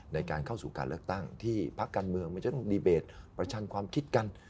ในการเข้าสู่การเลือกตั้งที่พักการเมืองมันจะต้องดีเบตประชันความคิดกัน